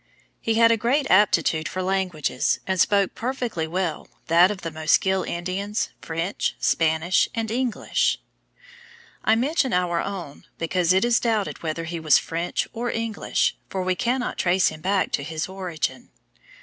He had a great aptitude for languages, and spoke perfectly well that of the Mosquil Indians, French, Spanish, and English. I mention our own, because it is doubted whether he was French or English, for we cannot trace him back to his origin.